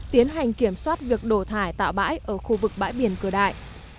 tiến hành kiểm soát việc đổ thải tạo bãi ở khu vực bãi biển cửa đại